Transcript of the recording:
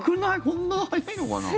こんな早いのかな。